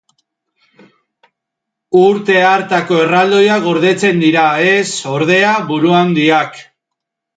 Urte hartako erraldoiak gordetzen dira, ez, ordea, buruhandiak.